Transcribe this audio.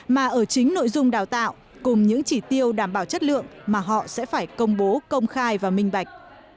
mà ở chính nội dung đào tạo cùng những chỉ tiêu đảm bảo chất lượng mà họ sẽ phải công bố công khai và minh bạch